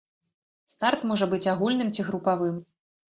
Старт можа быць агульным ці групавым.